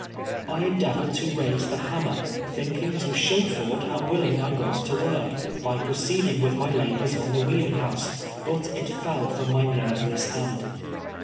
I endeavored to raise thehannner, thinking to show Ford how willing I was to work, by proceeding with my labors on the weaving house, ])Ut it fell fn»iu my nerveless hand.